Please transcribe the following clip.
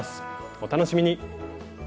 お楽しみに。